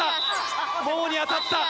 ももに当たった！